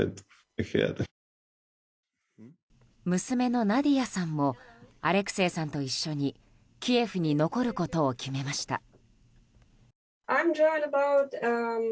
娘のナディヤさんもアレクセイさんと一緒にキエフに残ることを決めました。